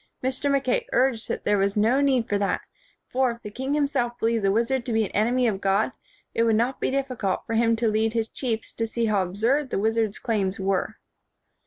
Mr. Mackay urged that there was no need of that; for, if the king himself believed the wizard to be an enemy of God, it would not be difficult for him to lead his chiefs to see how absurd the wizard's claims were.